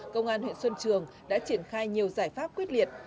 công an huyện xuân trường đã triển khai nhiều giải pháp quyết liệt